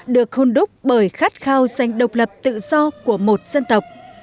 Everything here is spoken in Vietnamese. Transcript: được hôn đúc bởi khát khao danh độc lập tự do của một dân tộc